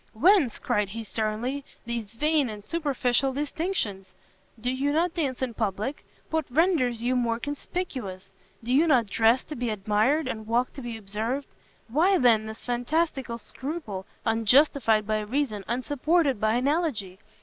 "Whence," cried he sternly, "these vain and superficial distinctions? Do you not dance in public? What renders you more conspicuous? Do you not dress to be admired, and walk to be observed? Why then this fantastical scruple, unjustified by reason, unsupported by analogy?